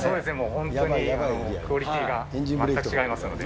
本当にクオリティーが全く違いますので。